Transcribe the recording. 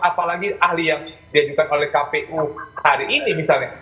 apalagi ahli yang diajukan oleh kpu hari ini misalnya